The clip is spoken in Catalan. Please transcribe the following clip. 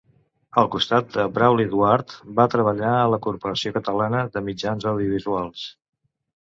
Al costat de Brauli Duart va treballar a la Corporació Catalana de Mitjans Audiovisuals.